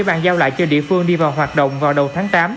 bàn giao lại cho địa phương đi vào hoạt động vào đầu tháng tám